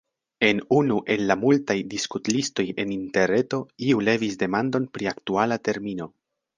En unu el la multaj diskutlistoj en interreto iu levis demandon pri aktuala termino.